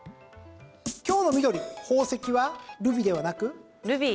今日の緑、宝石はルビではなく？